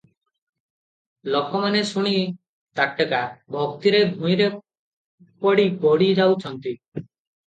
ଲୋକମାନେ ଶୁଣି ତାଟକା, ଭକ୍ତିରେ ଭୂଇଁରେ ପଡ଼ି ଗଡ଼ି ଯାଉଛନ୍ତି ।